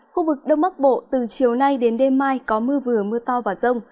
khu vực đông bắc bộ từ chiều nay đến đêm mai có mưa vừa mưa to và rông